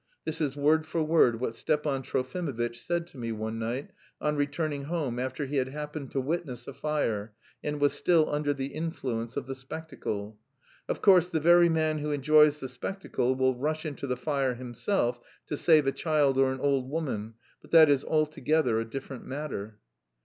This is word for word what Stepan Trofimovitch said to me one night on returning home after he had happened to witness a fire and was still under the influence of the spectacle. Of course, the very man who enjoys the spectacle will rush into the fire himself to save a child or an old woman; but that is altogether a different matter.